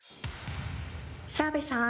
澤部さーん！